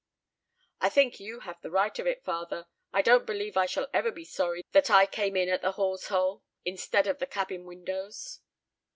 "I think you have the right of it, father. I don't believe I shall ever be sorry that I came in at the hawsehole, instead of the cabin windows."